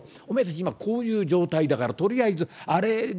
今こういう状態だからとりあえずあれで。